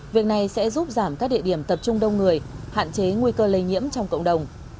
việc này sẽ giúp giảm các địa điểm tập trung đông người hạn chế nguy cơ lây nhiễm trong cộng đồng